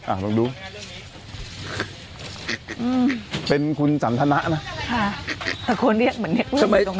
อ่าลองดูอืมเป็นคุณสันทนะนะค่ะคนเรียกเหมือนเนี้ยตรงนั้น